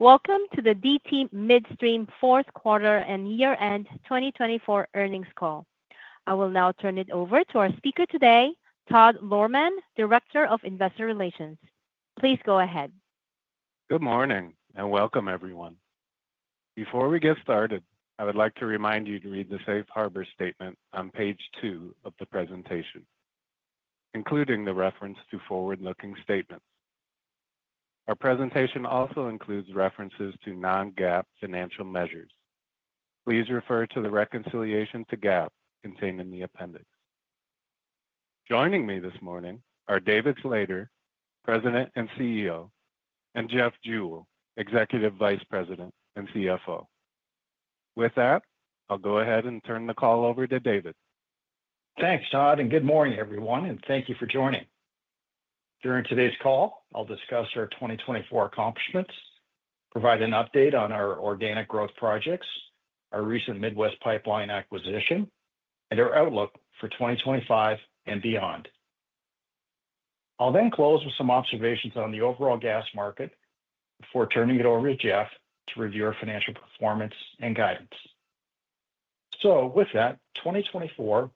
Welcome to the DT Midstream Quarter and Year-End 2024 Earnings Call. I will now turn it over to our speaker today, Todd Lohrmann, Director of Investor Relations. Please go ahead. Good morning and welcome, everyone. Before we get started, I would like to remind you to read the Safe Harbor Statement on page two of the presentation, including the reference to forward-looking statements. Our presentation also includes references to non-GAAP financial measures. Please refer to the reconciliation to GAAP contained in the appendix. Joining me this morning are David Slater, President and CEO, and Jeff Jewell, Executive Vice President and CFO. With that, I'll go ahead and turn the call over to David. Thanks, Todd, and good morning, everyone, and thank you for joining. During today's call, I'll discuss our 2024 accomplishments, provide an update on our organic growth projects, our recent Midwest pipeline acquisition, and our outlook for 2025 and beyond. I'll then close with some observations on the overall gas market before turning it over to Jeff to review our financial performance and guidance. So, with that, 2024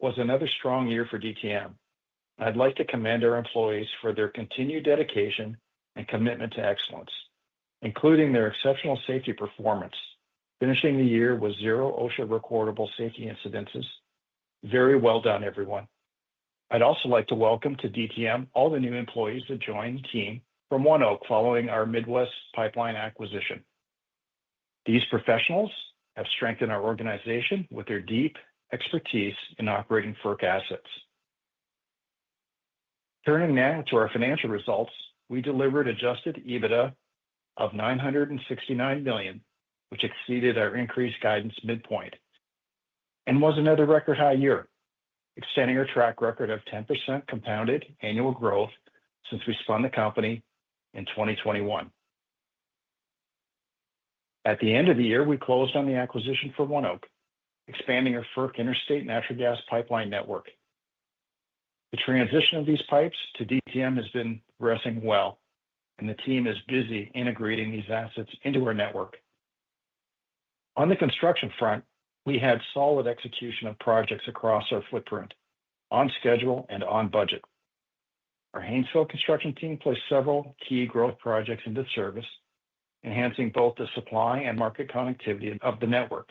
was another strong year for DTM. I'd like to commend our employees for their continued dedication and commitment to excellence, including their exceptional safety performance, finishing the year with zero OSHA recordable safety incidents. Very well done, everyone. I'd also like to welcome to DTM all the new employees that joined the team from ONEOK following our Midwest pipeline acquisition. These professionals have strengthened our organization with their deep expertise in operating FERC assets. Turning now to our financial results, we delivered Adjusted EBITDA of $969 million, which exceeded our increased guidance midpoint and was another record-high year, extending our track record of 10% compounded annual growth since we spun the company in 2021. At the end of the year, we closed on the acquisition for ONEOK, expanding our FERC interstate natural gas pipeline network. The transition of these pipes to DTM has been progressing well, and the team is busy integrating these assets into our network. On the construction front, we had solid execution of projects across our footprint, on schedule and on budget. Our Haynesville construction team placed several key growth projects into service, enhancing both the supply and market connectivity of the network.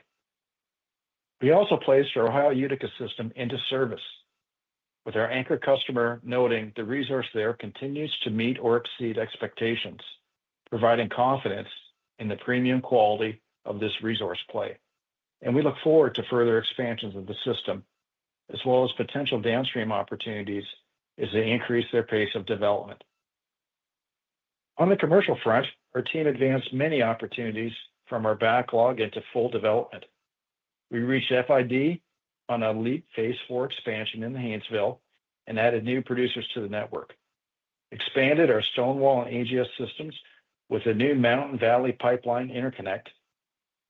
We also placed our Ohio Utica system into service, with our anchor customer noting the resource there continues to meet or exceed expectations, providing confidence in the premium quality of this resource play. We look forward to further expansions of the system, as well as potential downstream opportunities as they increase their pace of development. On the commercial front, our team advanced many opportunities from our backlog into full development. We reached FID on a late phase for expansion in Haynesville and added new producers to the network, expanded our Stonewall and AGS systems with a new Mountain Valley Pipeline interconnect,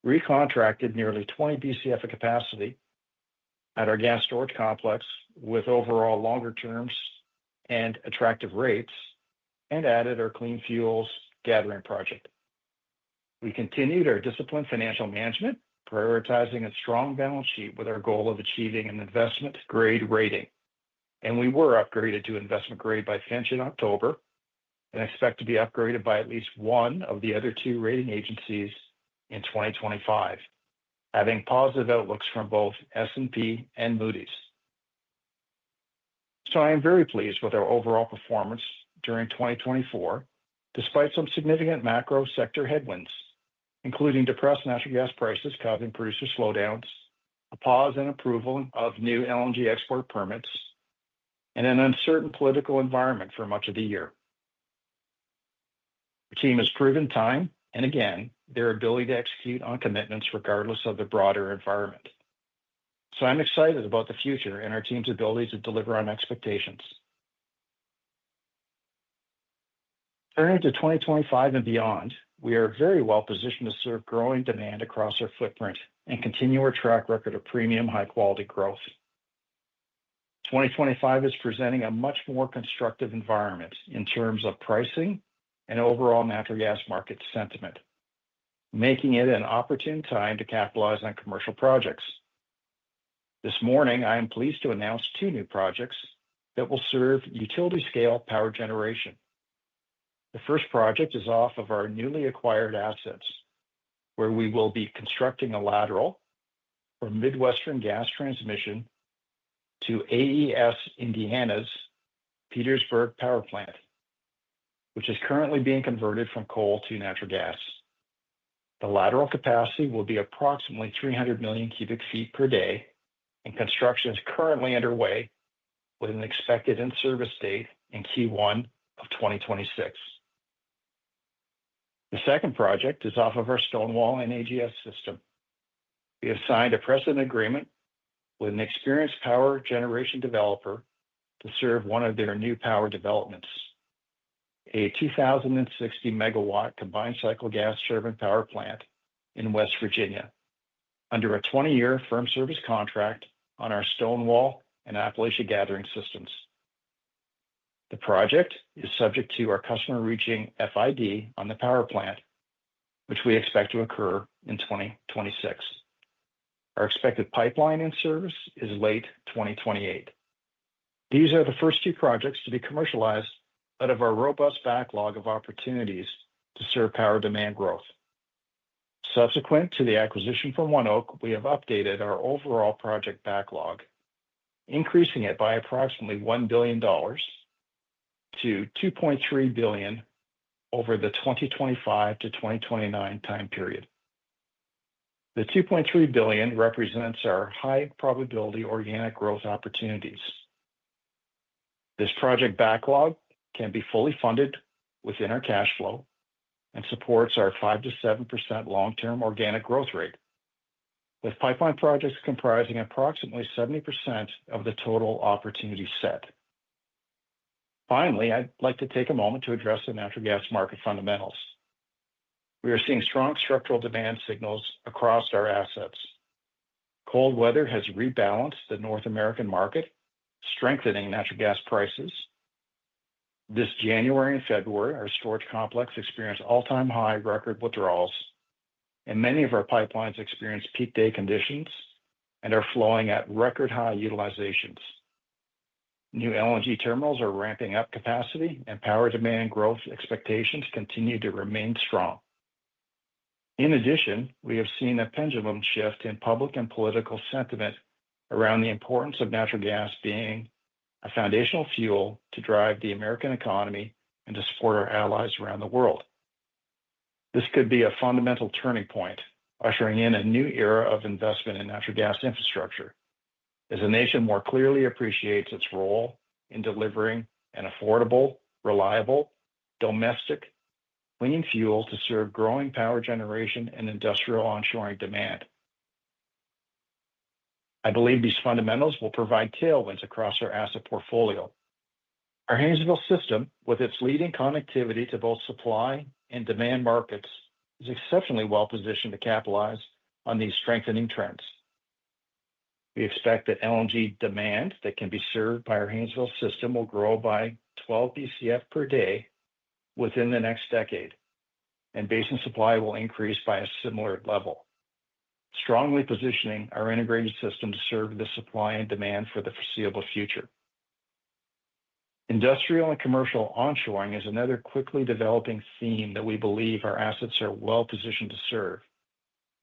recontracted nearly 20 BCF of capacity at our gas storage complex with overall longer terms and attractive rates, and added our Clean Fuels Gathering Project. We continued our disciplined financial management, prioritizing a strong balance sheet with our goal of achieving an investment-grade rating. And we were upgraded to investment-grade by Fitch in October and expect to be upgraded by at least one of the other two rating agencies in 2025, having positive outlooks from both S&P and Moody's. So I am very pleased with our overall performance during 2024, despite some significant macro sector headwinds, including depressed natural gas prices causing producer slowdowns, a pause in approval of new LNG export permits, and an uncertain political environment for much of the year. The team has proven time and again their ability to execute on commitments regardless of the broader environment. So I'm excited about the future and our team's ability to deliver on expectations. Turning to 2025 and beyond, we are very well positioned to serve growing demand across our footprint and continue our track record of premium, high-quality growth. 2025 is presenting a much more constructive environment in terms of pricing and overall natural gas market sentiment, making it an opportune time to capitalize on commercial projects. This morning, I am pleased to announce two new projects that will serve utility-scale power generation. The first project is off of our newly acquired assets, where we will be constructing a lateral from Midwestern Gas Transmission to AES Indiana's Petersburg Power Plant, which is currently being converted from coal to natural gas. The lateral capacity will be approximately 300 million cubic feet per day, and construction is currently underway with an expected in-service date in Q1 of 2026. The second project is off of our Stonewall and AGS system. We have signed a precedent agreement with an experienced power generation developer to serve one of their new power developments, a 2,060-megawatt combined cycle gas turbine power plant in West Virginia, under a 20-year firm service contract on our Stonewall and Appalachia Gathering Systems. The project is subject to our customer reaching FID on the power plant, which we expect to occur in 2026. Our expected pipeline in-service is late 2028. These are the first two projects to be commercialized out of our robust backlog of opportunities to serve power demand growth. Subsequent to the acquisition from ONEOK, we have updated our overall project backlog, increasing it by approximately $1 billion-$2.3 billion over the 2025 to 2029 time period. The $2.3 billion represents our high-probability organic growth opportunities. This project backlog can be fully funded within our cash flow and supports our 5%-7% long-term organic growth rate, with pipeline projects comprising approximately 70% of the total opportunity set. Finally, I'd like to take a moment to address the natural gas market fundamentals. We are seeing strong structural demand signals across our assets. Cold weather has rebalanced the North American market, strengthening natural gas prices. This January and February, our storage complex experienced all-time high record withdrawals, and many of our pipelines experienced peak day conditions and are flowing at record-high utilizations. New LNG terminals are ramping up capacity, and power demand growth expectations continue to remain strong. In addition, we have seen a pendulum shift in public and political sentiment around the importance of natural gas being a foundational fuel to drive the American economy and to support our allies around the world. This could be a fundamental turning point, ushering in a new era of investment in natural gas infrastructure, as the nation more clearly appreciates its role in delivering an affordable, reliable, domestic clean fuel to serve growing power generation and industrial onshoring demand. I believe these fundamentals will provide tailwinds across our asset portfolio. Our Haynesville System, with its leading connectivity to both supply and demand markets, is exceptionally well positioned to capitalize on these strengthening trends. We expect that LNG demand that can be served by our Haynesville System will grow by 12 Bcf per day within the next decade, and basin supply will increase by a similar level, strongly positioning our integrated system to serve the supply and demand for the foreseeable future. Industrial and commercial onshoring is another quickly developing theme that we believe our assets are well positioned to serve,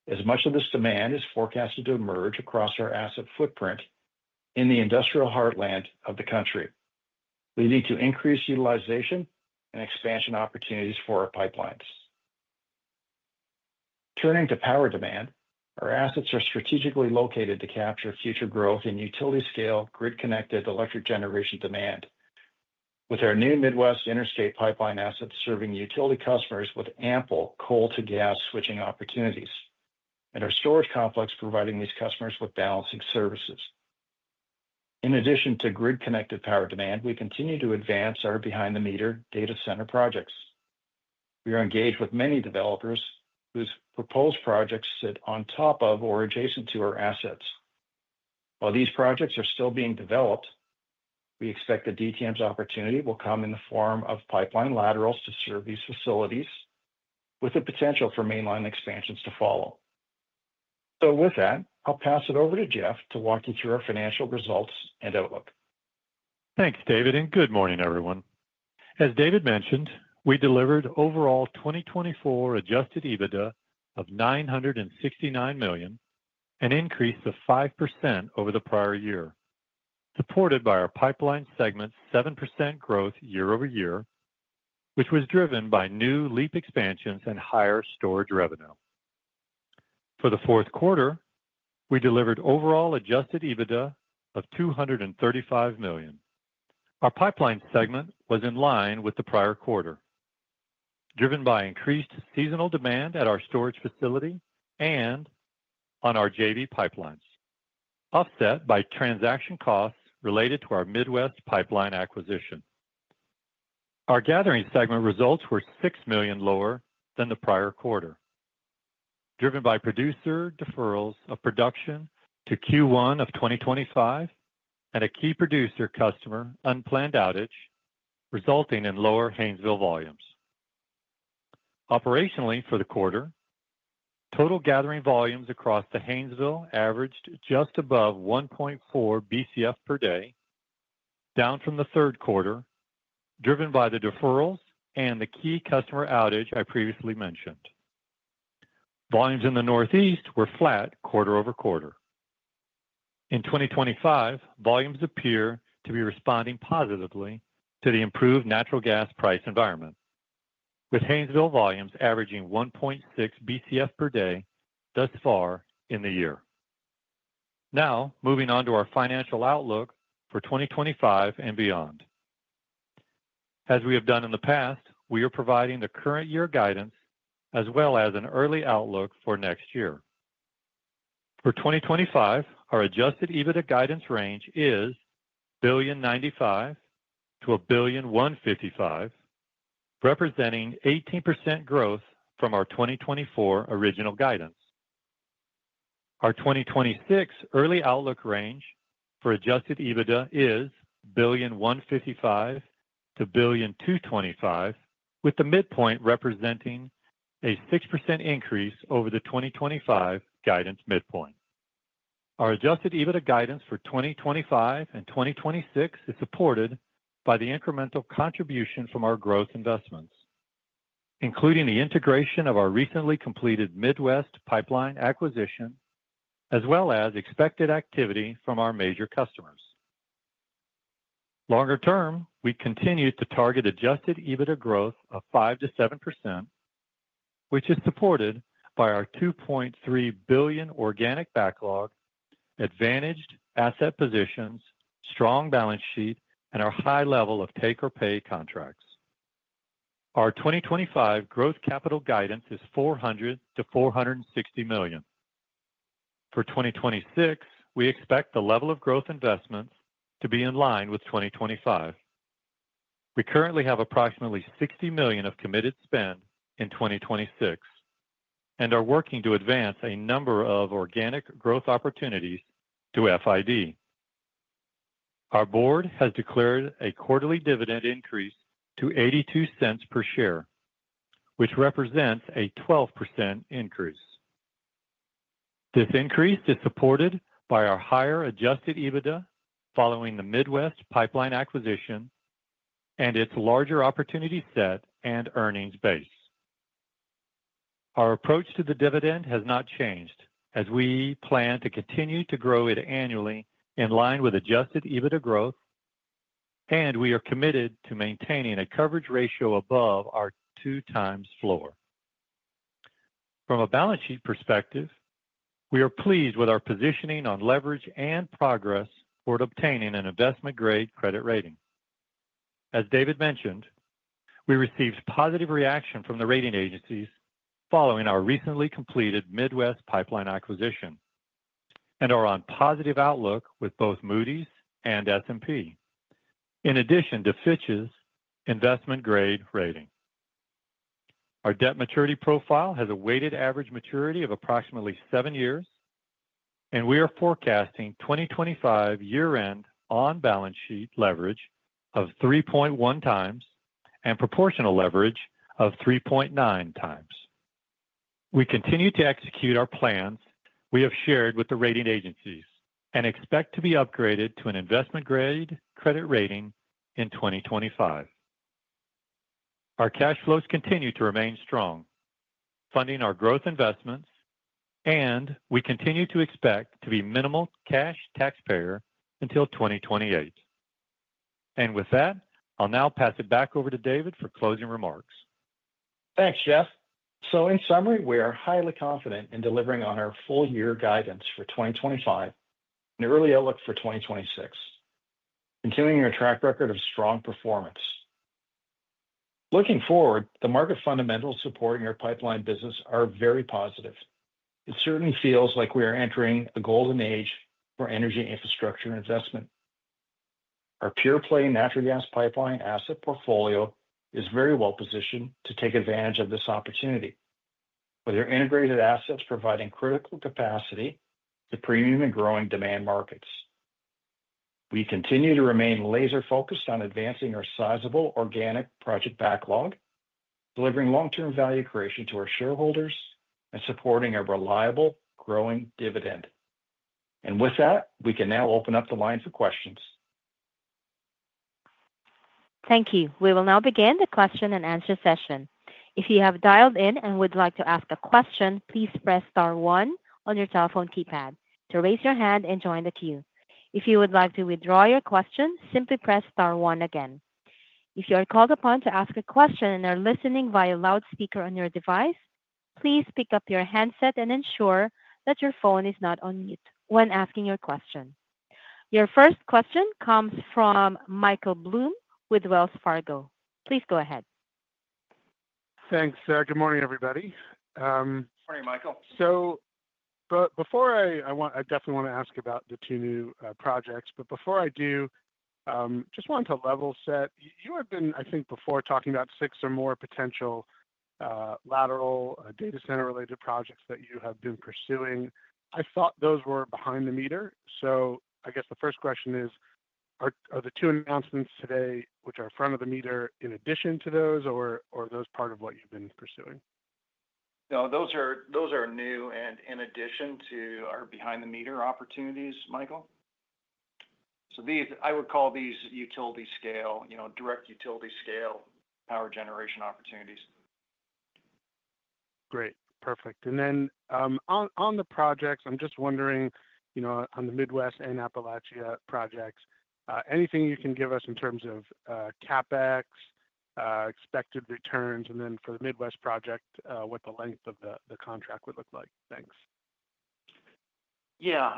as much of this demand is forecasted to emerge across our asset footprint in the industrial heartland of the country, leading to increased utilization and expansion opportunities for our pipelines. Turning to power demand, our assets are strategically located to capture future growth in utility-scale grid-connected electric generation demand, with our new Midwestern Gas Transmission assets serving utility customers with ample coal-to-gas switching opportunities, and our storage complex providing these customers with balancing services. In addition to grid-connected power demand, we continue to advance our behind-the-meter data center projects. We are engaged with many developers whose proposed projects sit on top of or adjacent to our assets. While these projects are still being developed, we expect the DTM's opportunity will come in the form of pipeline laterals to serve these facilities, with the potential for mainline expansions to follow. So with that, I'll pass it over to Jeff to walk you through our financial results and outlook. Thanks, David, and good morning, everyone. As David mentioned, we delivered overall 2024 Adjusted EBITDA of $969 million, an increase of 5% over the prior year, supported by our pipeline segment's 7% growth year-over-year, which was driven by new LEAP expansions and higher storage revenue. For the fourth quarter, we delivered overall Adjusted EBITDA of $235 million. Our pipeline segment was in line with the prior quarter, driven by increased seasonal demand at our storage facility and on our JV pipelines, offset by transaction costs related to our Midwest pipeline acquisition. Our gathering segment results were $6 million lower than the prior quarter, driven by producer deferrals of production to Q1 of 2025 and a key producer customer unplanned outage, resulting in lower Haynesville volumes. Operationally, for the quarter, total gathering volumes across the Haynesville averaged just above 1.4 Bcf per day, down from the third quarter, driven by the deferrals and the key customer outage I previously mentioned. Volumes in the Northeast were flat quarter-over-quarter. In 2025, volumes appear to be responding positively to the improved natural gas price environment, with Haynesville volumes averaging 1.6 Bcf per day thus far in the year. Now, moving on to our financial outlook for 2025 and beyond. As we have done in the past, we are providing the current year guidance as well as an early outlook for next year. For 2025, our Adjusted EBITDA guidance range is $1,095,000-$1,155,000, representing 18% growth from our 2024 original guidance. Our 2026 early outlook range for Adjusted EBITDA is $1,155,000-$1,225,000, with the midpoint representing a 6% increase over the 2025 guidance midpoint. Our Adjusted EBITDA guidance for 2025 and 2026 is supported by the incremental contribution from our growth investments, including the integration of our recently completed Midwest pipeline acquisition, as well as expected activity from our major customers. Longer term, we continue to target Adjusted EBITDA growth of 5%-7%, which is supported by our $2.3 billion organic backlog, advantaged asset positions, strong balance sheet, and our high level of take-or-pay contracts. Our 2025 growth capital guidance is $400 million-$460 million. For 2026, we expect the level of growth investments to be in line with 2025. We currently have approximately $60 million of committed spend in 2026 and are working to advance a number of organic growth opportunities to FID. Our board has declared a quarterly dividend increase to $0.82 per share, which represents a 12% increase. This increase is supported by our higher Adjusted EBITDA following the Midwest pipeline acquisition and its larger opportunity set and earnings base. Our approach to the dividend has not changed, as we plan to continue to grow it annually in line with Adjusted EBITDA growth, and we are committed to maintaining a coverage ratio above our two-times floor. From a balance sheet perspective, we are pleased with our positioning on leverage and progress toward obtaining an investment-grade credit rating. As David mentioned, we received positive reaction from the rating agencies following our recently completed Midwest pipeline acquisition and are on positive outlook with both Moody's and S&P, in addition to Fitch's investment-grade rating. Our debt maturity profile has a weighted average maturity of approximately seven years, and we are forecasting 2025 year-end on balance sheet leverage of 3.1 times and proportional leverage of 3.9 times. We continue to execute our plans we have shared with the rating agencies and expect to be upgraded to an investment-grade credit rating in 2025. Our cash flows continue to remain strong, funding our growth investments, and we continue to expect to be minimal cash taxpayer until 2028, and with that, I'll now pass it back over to David for closing remarks. Thanks, Jeff. So in summary, we are highly confident in delivering on our full-year guidance for 2025 and early outlook for 2026, continuing our track record of strong performance. Looking forward, the market fundamentals supporting our pipeline business are very positive. It certainly feels like we are entering a golden age for energy infrastructure investment. Our pure-play natural gas pipeline asset portfolio is very well positioned to take advantage of this opportunity, with our integrated assets providing critical capacity to premium and growing demand markets. We continue to remain laser-focused on advancing our sizable organic project backlog, delivering long-term value creation to our shareholders, and supporting a reliable, growing dividend. And with that, we can now open up the line for questions. Thank you. We will now begin the question-and-answer session. If you have dialed in and would like to ask a question, please press star one on your telephone keypad to raise your hand and join the queue. If you would like to withdraw your question, simply press star one again. If you are called upon to ask a question and are listening via loudspeaker on your device, please pick up your handset and ensure that your phone is not on mute when asking your question. Your first question comes from Michael Blum with Wells Fargo. Please go ahead. Thanks. Good morning, everybody. Good morning, Michael. So, but before I definitely want to ask about the two new projects. But before I do, just wanted to level set. You have been, I think, before talking about six or more potential lateral data center-related projects that you have been pursuing. I thought those were behind the meter. So I guess the first question is, are the two announcements today, which are front of the meter, in addition to those, or are those part of what you've been pursuing? No, those are new and in addition to our behind-the-meter opportunities, Michael. So these I would call these utility scale, you know, direct utility scale power generation opportunities. Great. Perfect. And then on the projects, I'm just wondering, you know, on the Midwest and Appalachia projects, anything you can give us in terms of CapEx, expected returns, and then for the Midwest project, what the length of the contract would look like? Thanks. Yeah.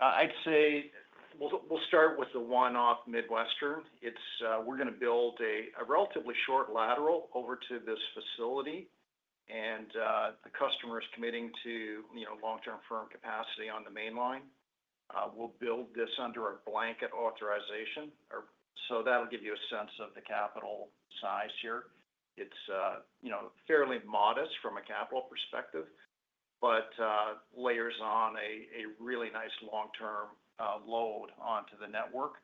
I'd say we'll start with the one off Midwestern. It's we're going to build a relatively short lateral over to this facility, and the customer is committing to, you know, long-term firm capacity on the mainline. We'll build this under a blanket authorization. So that'll give you a sense of the capital size here. It's, you know, fairly modest from a capital perspective, but layers on a really nice long-term load onto the network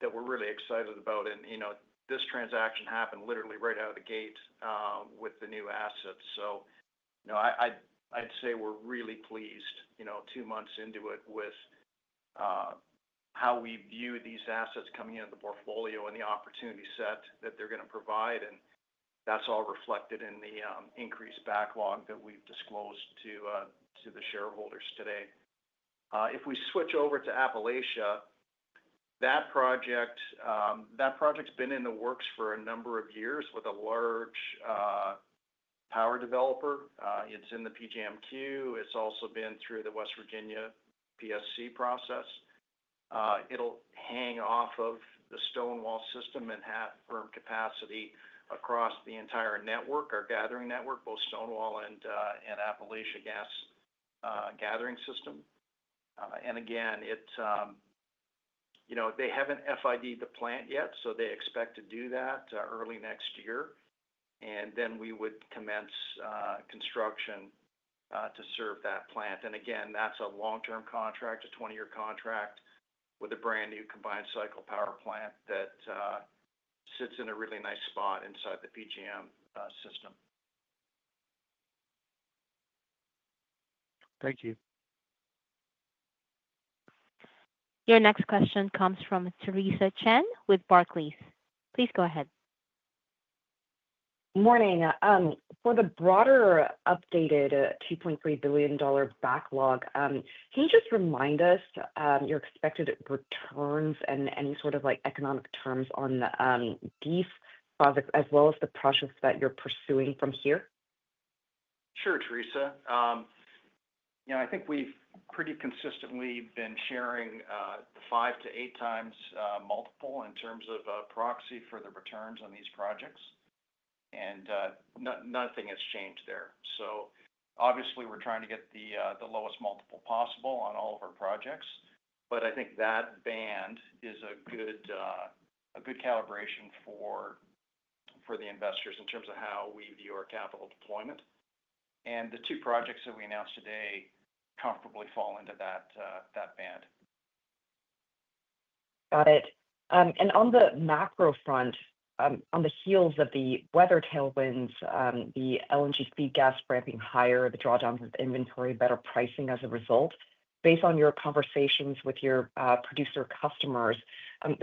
that we're really excited about. And, you know, this transaction happened literally right out of the gate with the new assets. So, you know, I'd say we're really pleased, you know, two months into it with how we view these assets coming into the portfolio and the opportunity set that they're going to provide. And that's all reflected in the increased backlog that we've disclosed to the shareholders today. If we switch over to Appalachia, that project's been in the works for a number of years with a large power developer. It's in the PJM Queue. It's also been through the West Virginia PSC process. It'll hang off of the Stonewall system and have firm capacity across the entire network, our gathering network, both Stonewall and Appalachia gas gathering system. And again, it's, you know, they haven't FID'd the plant yet, so they expect to do that early next year. And then we would commence construction to serve that plant. And again, that's a long-term contract, a 20-year contract with a brand new combined cycle power plant that sits in a really nice spot inside the PJM system. Thank you. Your next question comes from Theresa Chen with Barclays. Please go ahead. Good morning. For the broader updated $2.3 billion backlog, can you just remind us your expected returns and any sort of, like, economic terms on the DEEF project, as well as the projects that you're pursuing from here? Sure, Theresa. You know, I think we've pretty consistently been sharing the five-to-eight times multiple in terms of proxy for the returns on these projects. And nothing has changed there. So obviously, we're trying to get the lowest multiple possible on all of our projects. But I think that band is a good calibration for the investors in terms of how we view our capital deployment. And the two projects that we announced today comfortably fall into that band. Got it. And on the macro front, on the heels of the weather tailwinds, the LNG feed gas ramping higher, the drawdowns of inventory, better pricing as a result, based on your conversations with your producer customers,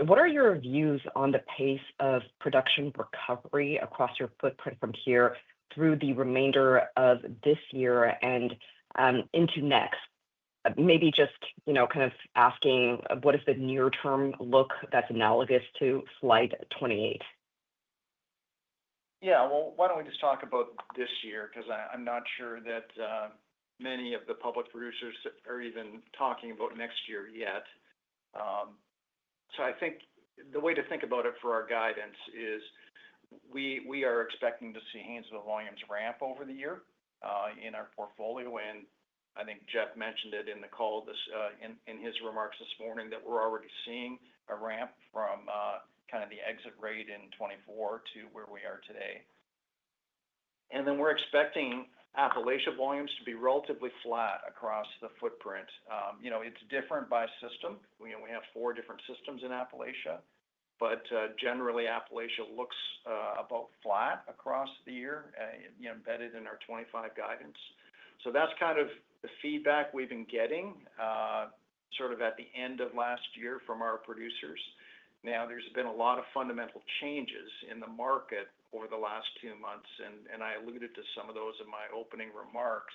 what are your views on the pace of production recovery across your footprint from here through the remainder of this year and into next? Maybe just, you know, kind of asking what is the near-term look that's analogous to Slide 28? Yeah. Well, why don't we just talk about this year? Because I'm not sure that many of the public producers are even talking about next year yet. So I think the way to think about it for our guidance is we are expecting to see Haynesville volumes ramp over the year in our portfolio. And I think Jeff mentioned it in the call in his remarks this morning that we're already seeing a ramp from kind of the exit rate in 2024 to where we are today. And then we're expecting Appalachia volumes to be relatively flat across the footprint. You know, it's different by system. You know, we have four different systems in Appalachia, but generally, Appalachia looks about flat across the year, you know, embedded in our 2025 guidance. So that's kind of the feedback we've been getting sort of at the end of last year from our producers. Now, there's been a lot of fundamental changes in the market over the last two months, and I alluded to some of those in my opening remarks.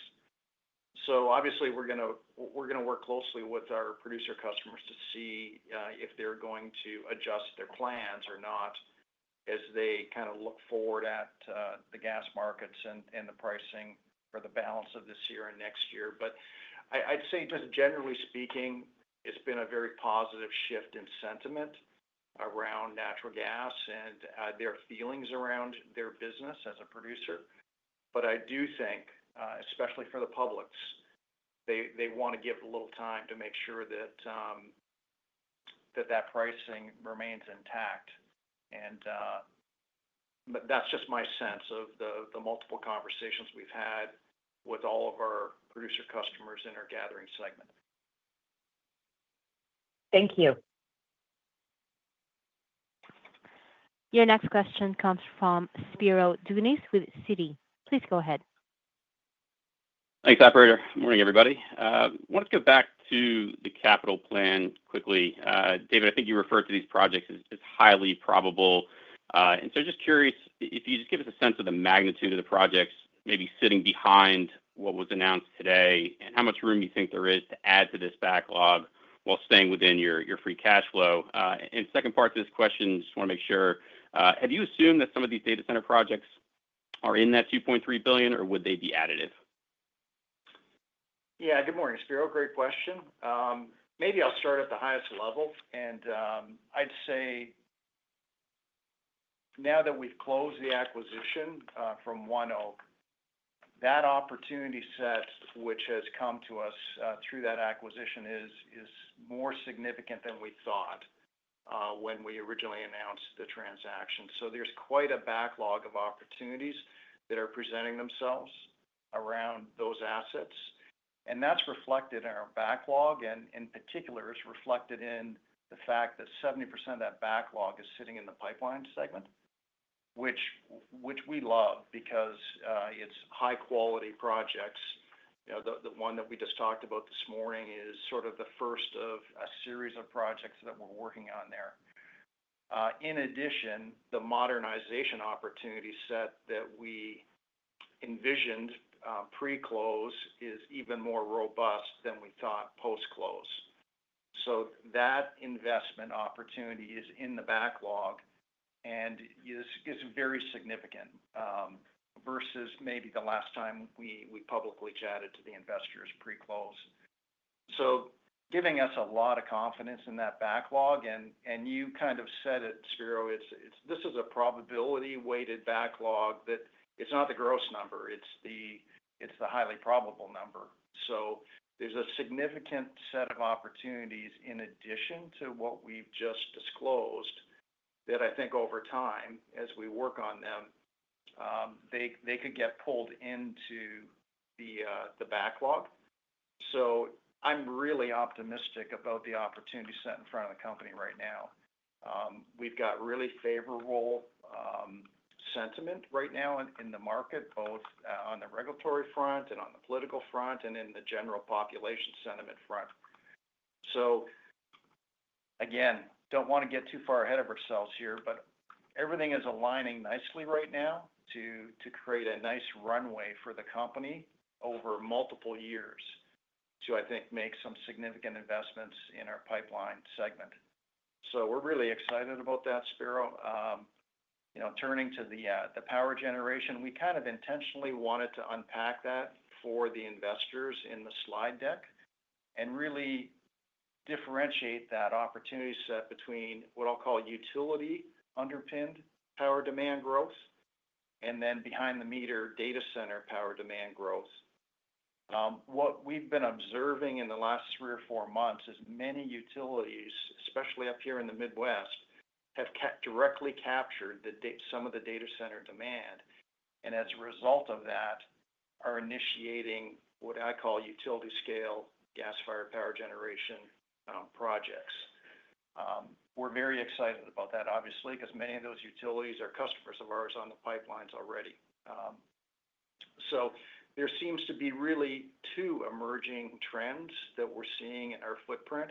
So obviously, we're going to work closely with our producer customers to see if they're going to adjust their plans or not as they kind of look forward at the gas markets and the pricing for the balance of this year and next year. But I'd say just generally speaking, it's been a very positive shift in sentiment around natural gas and their feelings around their business as a producer. But I do think, especially for the publics, they want to give a little time to make sure that that pricing remains intact. That's just my sense of the multiple conversations we've had with all of our producer customers in our gathering segment. Thank you. Your next question comes from Spiro Dounis with Citi. Please go ahead. Thanks, Operator. Good morning, everybody. I want to go back to the capital plan quickly. David, I think you referred to these projects as highly probable. And so just curious if you just give us a sense of the magnitude of the projects maybe sitting behind what was announced today and how much room you think there is to add to this backlog while staying within your free cash flow. And second part to this question, just want to make sure, have you assumed that some of these data center projects are in that $2.3 billion, or would they be additive? Yeah. Good morning, Spiro. Great question. Maybe I'll start at the highest level, and I'd say now that we've closed the acquisition from ONEOK, that opportunity set, which has come to us through that acquisition, is more significant than we thought when we originally announced the transaction. So there's quite a backlog of opportunities that are presenting themselves around those assets, and that's reflected in our backlog. And in particular, it's reflected in the fact that 70% of that backlog is sitting in the pipeline segment, which we love because it's high-quality projects. You know, the one that we just talked about this morning is sort of the first of a series of projects that we're working on there. In addition, the modernization opportunity set that we envisioned pre-close is even more robust than we thought post-close. So that investment opportunity is in the backlog and is very significant versus maybe the last time we publicly chatted to the investors pre-close. So giving us a lot of confidence in that backlog. And you kind of said it, Spiro. It's, this is a probability-weighted backlog that it's not the gross number. It's the highly probable number. So there's a significant set of opportunities in addition to what we've just disclosed that I think over time, as we work on them, they could get pulled into the backlog. So I'm really optimistic about the opportunity set in front of the company right now. We've got really favorable sentiment right now in the market, both on the regulatory front and on the political front and in the general population sentiment front. So again, don't want to get too far ahead of ourselves here, but everything is aligning nicely right now to create a nice runway for the company over multiple years to, I think, make some significant investments in our pipeline segment. So we're really excited about that, Spiro. You know, turning to the power generation, we kind of intentionally wanted to unpack that for the investors in the slide deck and really differentiate that opportunity set between what I'll call utility underpinned power demand growth and then behind-the-meter data center power demand growth. What we've been observing in the last three or four months is many utilities, especially up here in the Midwest, have directly captured some of the data center demand. And as a result of that, are initiating what I call utility-scale gas-fired power generation projects. We're very excited about that, obviously, because many of those utilities are customers of ours on the pipelines already. So there seems to be really two emerging trends that we're seeing in our footprint,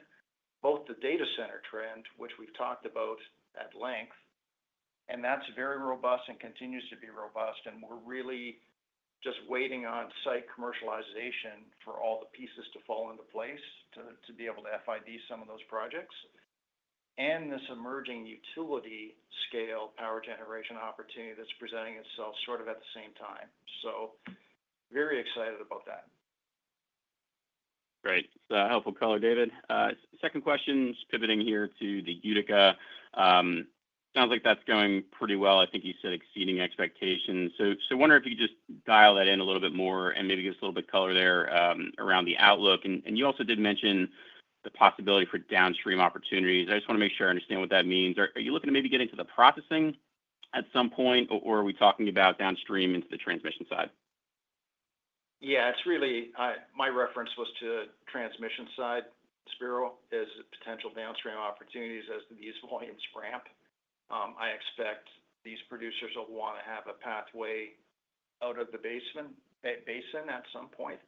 both the data center trend, which we've talked about at length, and that's very robust and continues to be robust. And we're really just waiting on site commercialization for all the pieces to fall into place to be able to FID some of those projects. And this emerging utility-scale power generation opportunity that's presenting itself sort of at the same time. So very excited about that. Great. That's a helpful color, David. Second question is pivoting here to the Utica. Sounds like that's going pretty well. I think you said exceeding expectations. So I wonder if you could just dial that in a little bit more and maybe give us a little bit of color there around the outlook. And you also did mention the possibility for downstream opportunities. I just want to make sure I understand what that means. Are you looking to maybe get into the processing at some point, or are we talking about downstream into the transmission side? Yeah. It's really my reference was to the transmission side, Spiro, as potential downstream opportunities as these volumes ramp. I expect these producers will want to have a pathway out of the basin at some point.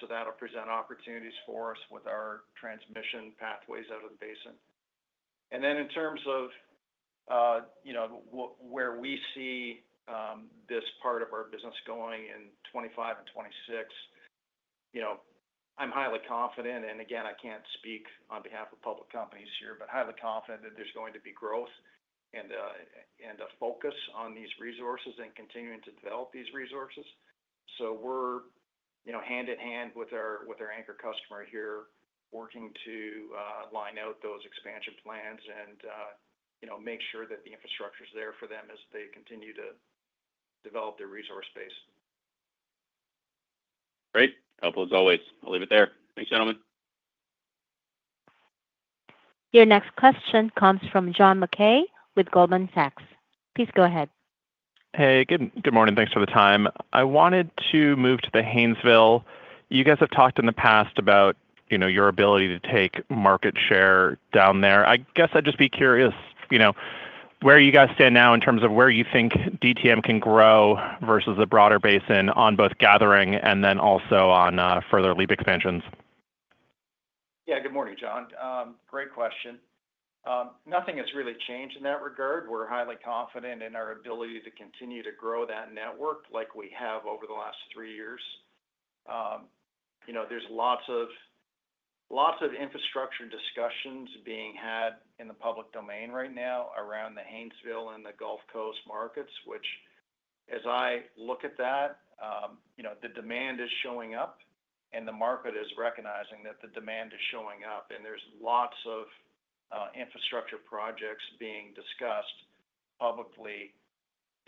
So that'll present opportunities for us with our transmission pathways out of the basin. And then in terms of, you know, where we see this part of our business going in 2025 and 2026, you know, I'm highly confident. And again, I can't speak on behalf of public companies here, but highly confident that there's going to be growth and a focus on these resources and continuing to develop these resources. So we're, you know, hand in hand with our anchor customer here, working to line out those expansion plans and, you know, make sure that the infrastructure's there for them as they continue to develop their resource base. Great. Helpful as always. I'll leave it there. Thanks, gentlemen. Your next question comes from John Mackay with Goldman Sachs. Please go ahead. Hey. Good morning. Thanks for the time. I wanted to move to the Haynesville. You guys have talked in the past about, you know, your ability to take market share down there. I guess I'd just be curious, you know, where you guys stand now in terms of where you think DTM can grow versus the broader basin on both gathering and then also on further LEAP expansions. Yeah. Good morning, John. Great question. Nothing has really changed in that regard. We're highly confident in our ability to continue to grow that network like we have over the last three years. You know, there's lots of infrastructure discussions being had in the public domain right now around the Haynesville and the Gulf Coast markets, which, as I look at that, you know, the demand is showing up and the market is recognizing that the demand is showing up, and there's lots of infrastructure projects being discussed publicly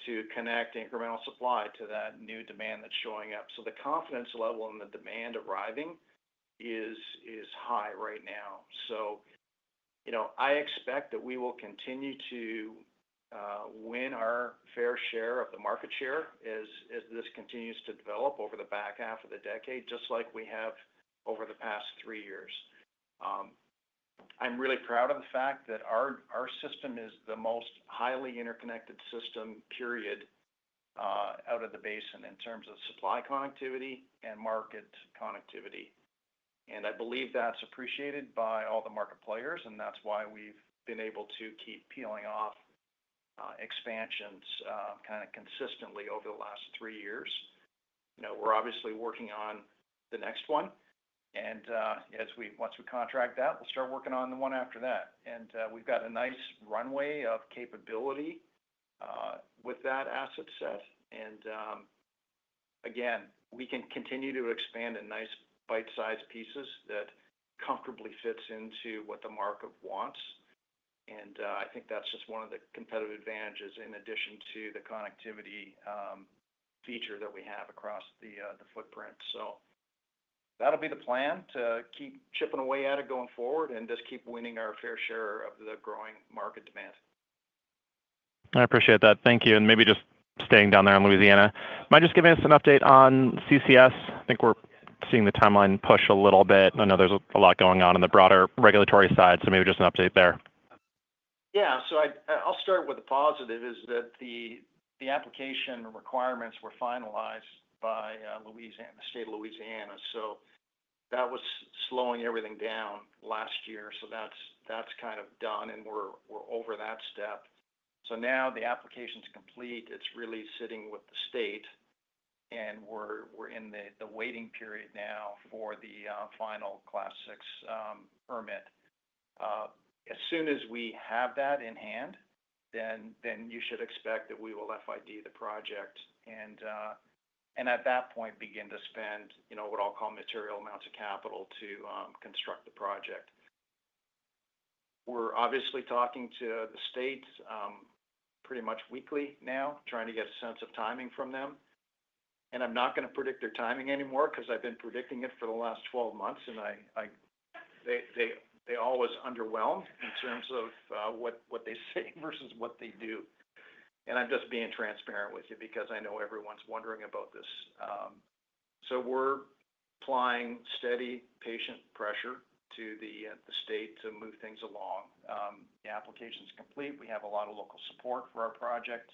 to connect incremental supply to that new demand that's showing up, so the confidence level in the demand arriving is high right now. You know, I expect that we will continue to win our fair share of the market share as this continues to develop over the back half of the decade, just like we have over the past three years. I'm really proud of the fact that our system is the most highly interconnected system, period, out of the basin in terms of supply connectivity and market connectivity. I believe that's appreciated by all the market players, and that's why we've been able to keep peeling off expansions kind of consistently over the last three years. You know, we're obviously working on the next one. Once we contract that, we'll start working on the one after that. We've got a nice runway of capability with that asset set. And again, we can continue to expand in nice bite-sized pieces that comfortably fit into what the market wants. And I think that's just one of the competitive advantages in addition to the connectivity feature that we have across the footprint. So that'll be the plan to keep chipping away at it going forward and just keep winning our fair share of the growing market demand. I appreciate that. Thank you, and maybe just staying down there in Louisiana, mind just giving us an update on CCS? I think we're seeing the timeline push a little bit. I know there's a lot going on on the broader regulatory side, so maybe just an update there. Yeah. So I'll start with the positive is that the application requirements were finalized by Louisiana, the state of Louisiana. So that's kind of done, and we're over that step. So now the application's complete. It's really sitting with the state, and we're in the waiting period now for the final Class VI permit. As soon as we have that in hand, then you should expect that we will FID the project and at that point begin to spend, you know, what I'll call material amounts of capital to construct the project. We're obviously talking to the state pretty much weekly now, trying to get a sense of timing from them. I'm not going to predict their timing anymore because I've been predicting it for the last 12 months, and they're always underwhelmed in terms of what they say versus what they do. I'm just being transparent with you because I know everyone's wondering about this. We're applying steady, patient pressure to the state to move things along. The application's complete. We have a lot of local support for our project.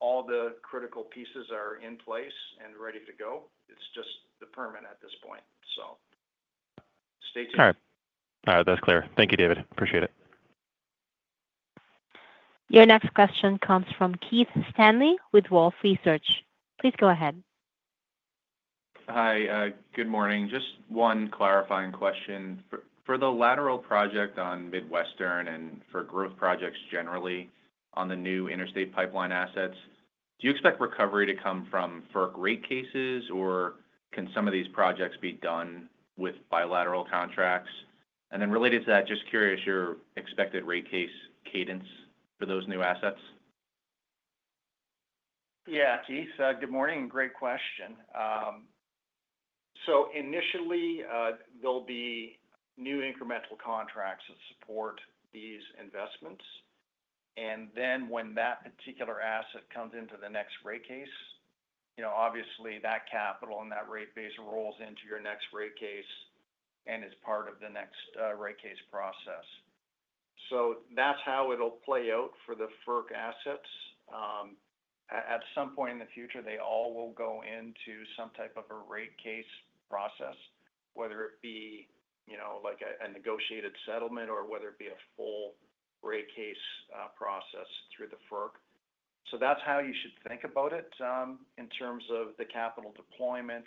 All the critical pieces are in place and ready to go. It's just the permit at this point. Stay tuned. All right. That's clear. Thank you, David. Appreciate it. Your next question comes from Keith Stanley with Wolfe Research. Please go ahead. Hi. Good morning. Just one clarifying question. For the lateral project on Midwestern and for growth projects generally on the new interstate pipeline assets, do you expect recovery to come from FERC rate cases, or can some of these projects be done with bilateral contracts? And then related to that, just curious your expected rate case cadence for those new assets. Yeah. Keith, good morning. Great question, so initially, there'll be new incremental contracts that support these investments, and then when that particular asset comes into the next rate case, you know, obviously that capital and that rate base rolls into your next rate case and is part of the next rate case process, so that's how it'll play out for the FERC assets. At some point in the future, they all will go into some type of a rate case process, whether it be, you know, like a negotiated settlement or whether it be a full rate case process through the FERC, so that's how you should think about it in terms of the capital deployment,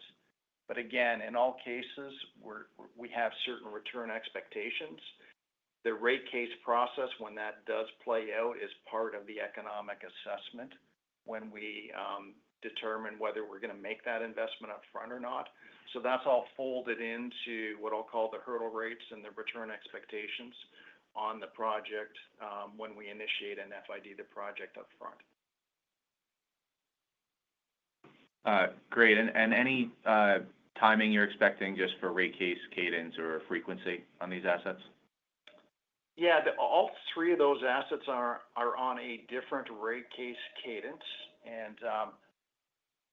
but again, in all cases, we have certain return expectations. The rate case process, when that does play out, is part of the economic assessment when we determine whether we're going to make that investment upfront or not. So that's all folded into what I'll call the hurdle rates and the return expectations on the project when we initiate and FID the project upfront. Great, and any timing you're expecting just for rate case cadence or frequency on these assets? Yeah. All three of those assets are on a different rate case cadence. And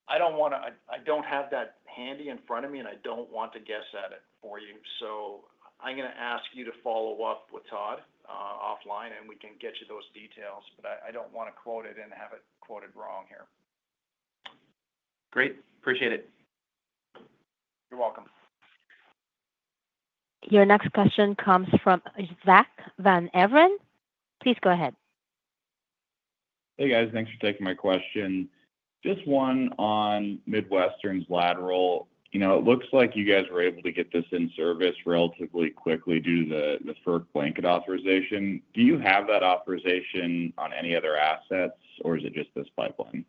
I don't want to—I don't have that handy in front of me, and I don't want to guess at it for you. So I'm going to ask you to follow up with Todd offline, and we can get you those details. But I don't want to quote it and have it quoted wrong here. Great. Appreciate it. You're welcome. Your next question comes from Zack Van Everen. Please go ahead. Hey, guys. Thanks for taking my question. Just one on Midwestern's lateral. You know, it looks like you guys were able to get this in service relatively quickly due to the FERC blanket authorization. Do you have that authorization on any other assets, or is it just this pipeline?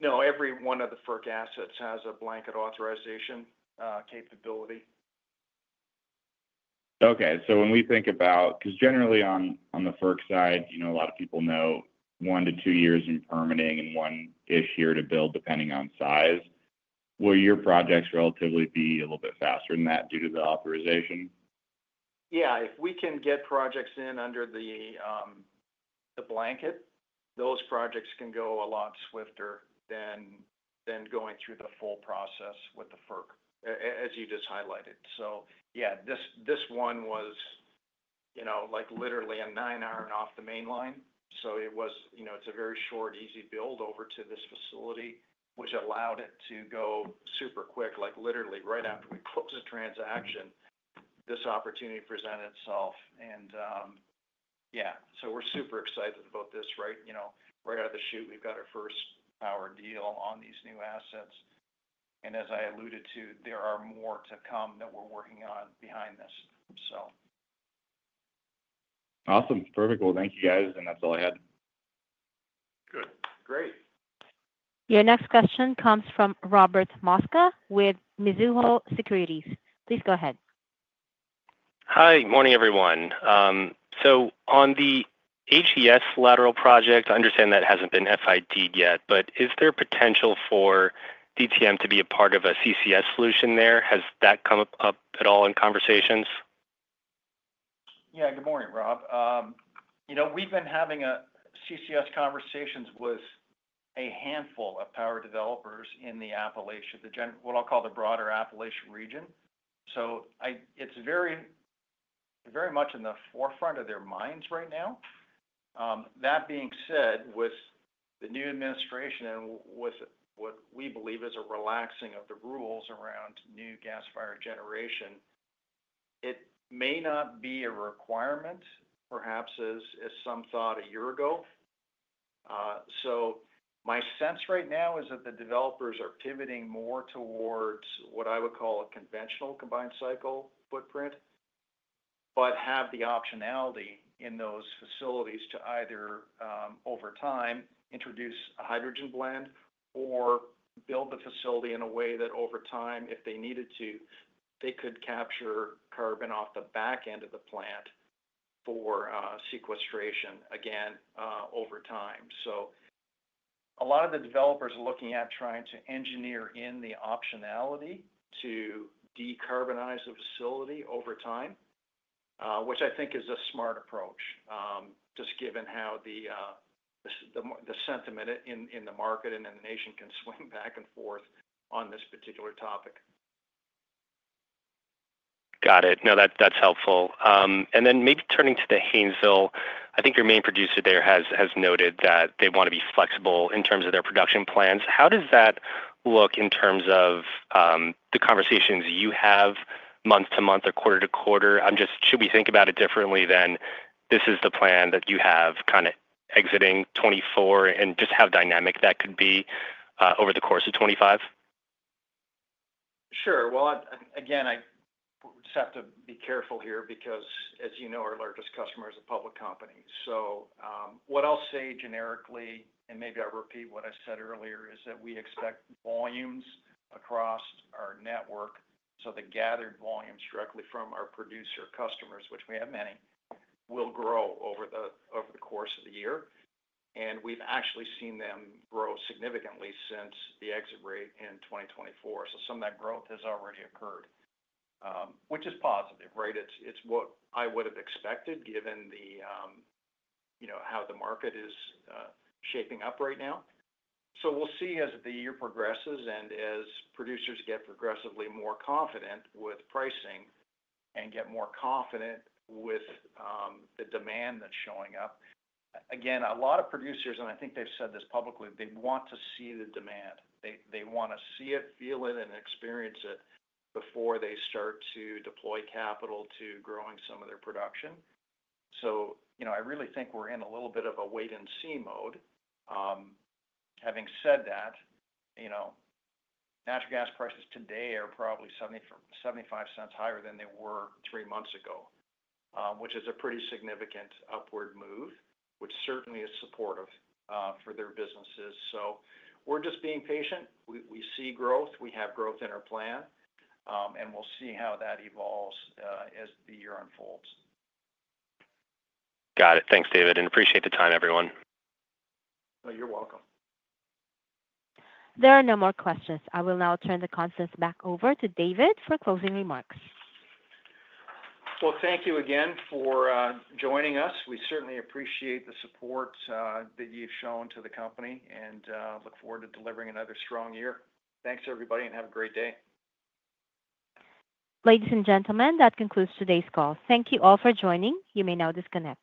No. Every one of the FERC assets has a blanket authorization capability. Okay. So when we think about, because generally on the FERC side, you know, a lot of people know one to two years in permitting and one-ish year to build depending on size. Will your projects relatively be a little bit faster than that due to the authorization? Yeah. If we can get projects in under the blanket, those projects can go a lot swifter than going through the full process with the FERC, as you just highlighted. So yeah, this one was, you know, like literally a nine iron off the main line. So it was, you know, it's a very short, easy build over to this facility, which allowed it to go super quick, like literally right after we closed the transaction, this opportunity presented itself. And yeah, so we're super excited about this, right? You know, right out of the chute, we've got our first power deal on these new assets. And as I alluded to, there are more to come that we're working on behind this, so. Awesome. Perfect. Well, thank you, guys. And that's all I had. Good. Great. Your next question comes from Robert Mosca with Mizuho Securities. Please go ahead. Hi. Good morning, everyone. So on the HES lateral project, I understand that it hasn't been FID'd yet, but is there potential for DTM to be a part of a CCS solution there? Has that come up at all in conversations? Yeah. Good morning, Rob. You know, we've been having CCS conversations with a handful of power developers in the Appalachia, what I'll call the broader Appalachia region. So it's very much in the forefront of their minds right now. That being said, with the new administration and with what we believe is a relaxing of the rules around new gas-fired generation, it may not be a requirement, perhaps as some thought a year ago. So my sense right now is that the developers are pivoting more towards what I would call a conventional combined cycle footprint, but have the optionality in those facilities to either, over time, introduce a hydrogen blend or build the facility in a way that over time, if they needed to, they could capture carbon off the back end of the plant for sequestration again over time. So a lot of the developers are looking at trying to engineer in the optionality to decarbonize the facility over time, which I think is a smart approach, just given how the sentiment in the market and in the nation can swing back and forth on this particular topic. Got it. No, that's helpful. And then maybe turning to the Haynesville, I think your main producer there has noted that they want to be flexible in terms of their production plans. How does that look in terms of the conversations you have month to month or quarter to quarter? I'm just, should we think about it differently than this is the plan that you have kind of exiting 2024 and just how dynamic that could be over the course of 2025? Sure. Well, again, I just have to be careful here because, as you know, our largest customer is a public company. So what I'll say generically, and maybe I'll repeat what I said earlier, is that we expect volumes across our network. So the gathered volumes directly from our producer customers, which we have many, will grow over the course of the year. And we've actually seen them grow significantly since the exit rate in 2024. So some of that growth has already occurred, which is positive, right? It's what I would have expected given the, you know, how the market is shaping up right now. So we'll see as the year progresses and as producers get progressively more confident with pricing and get more confident with the demand that's showing up. Again, a lot of producers, and I think they've said this publicly, they want to see the demand. They want to see it, feel it, and experience it before they start to deploy capital to growing some of their production. So, you know, I really think we're in a little bit of a wait-and-see mode. Having said that, you know, natural gas prices today are probably $0.75 higher than they were three months ago, which is a pretty significant upward move, which certainly is supportive for their businesses. So we're just being patient. We see growth. We have growth in our plan, and we'll see how that evolves as the year unfolds. Got it. Thanks, David, and appreciate the time, everyone. Well, you're welcome. There are no more questions. I will now turn the conference back over to David for closing remarks. Thank you again for joining us. We certainly appreciate the support that you've shown to the company and look forward to delivering another strong year. Thanks, everybody, and have a great day. Ladies and gentlemen, that concludes today's call. Thank you all for joining. You may now disconnect.